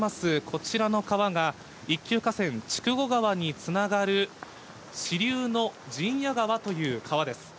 こちらの川が、一級河川、筑後川につながる支流の陣屋川という川です。